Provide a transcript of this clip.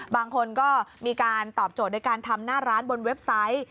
บางคนก็มีการตอบโจทย์ในการทำหน้าร้านบนเว็บไซต์